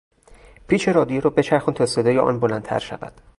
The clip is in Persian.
پیچ رادیو را بچرخان تا صدای آن بلندتر شود.